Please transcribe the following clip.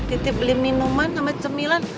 titip beli minuman sama cemilan